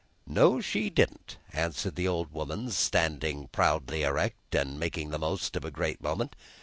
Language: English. "No, she didn't," answered the old woman, standing proudly erect, and making the most of a great moment.